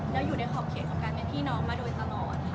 แล้วอยู่ในขอบเขตของการเป็นพี่น้องมาโดยตลอด